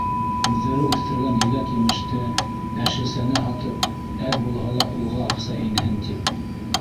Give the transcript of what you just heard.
Үҙҙәре үҫтергән еләк-емеште, йәшелсәне һатып, әҙ булһа ла ҡулға аҡса инһен тип.